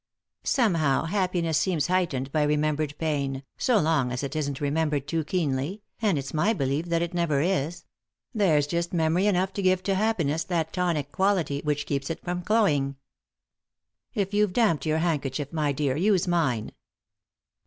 Some how happiness seems heightened by remembered pain, so long as it isn't remembered too keenly, and it's my belief that it never is — there's just memory enough to give to happiness that tonic quality which keeps it from cloying. If you've damped your handkerchief, my dear, use mine."